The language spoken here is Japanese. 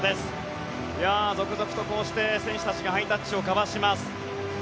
こうして続々と選手たちがハイタッチを交わします。